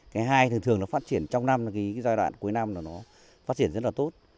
cái hai thường thường nó phát triển trong năm là cái giai đoạn cuối năm nó phát triển rất là tốt